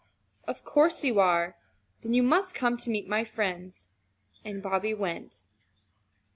Of course you are! Then you must come to meet my friends." And Bobby went.